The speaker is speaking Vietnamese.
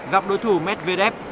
gặp đối thủ matt viedep